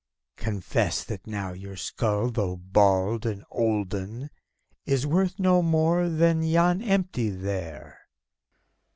Confess that now your skull, though bald and olden, Is worth no more than is yon empty, there!